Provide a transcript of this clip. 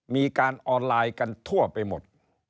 มีการออนไลน์กันทั่วไปหมด